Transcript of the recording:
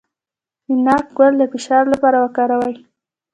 د ناک ګل د فشار لپاره وکاروئ